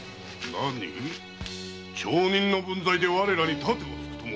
町人の分際で我らに盾を突く気か！